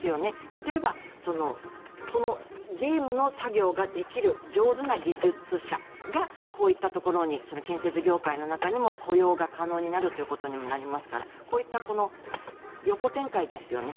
例えばこのゲームの作業ができる上手な技術者がこういったところに建設業界の中にも雇用が可能になるということにもなりますからこういった横展開ですよね。